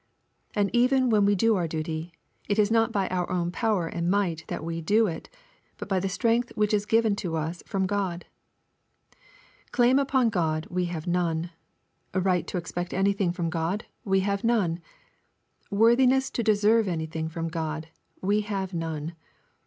And even when we do our duty, it is not by our own power and might that we do it, but by the strength which is given to us from God. Claim upon God we have none. Right to expect anything from God we have none. Worthiness to de serve anything from God we have none.